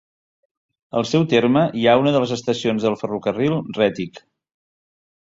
Al seu terme hi ha una de les estacions del Ferrocarril Rètic.